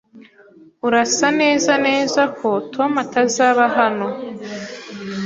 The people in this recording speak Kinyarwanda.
Urasa neza neza ko Tom atazaba hano